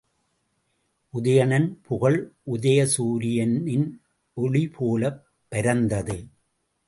உதயணன் புகழ் உதய சூரியனின் ஒளிபோலப் பரந்தது.